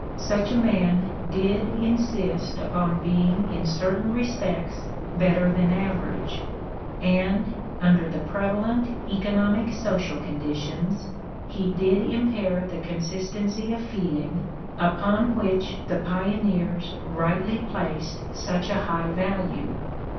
Such a man did insist upon being in certain respects better than the average; and under the pre valent economic social conditions he did impair the consistency of feeling upon which the pioneers rightly placed such a high value.